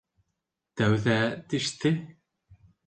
— Тәүҙә теште...